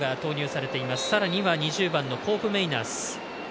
さらに２０番のコープメイナース。